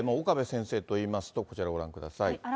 岡部先生といいますと、こちら、ご覧ください。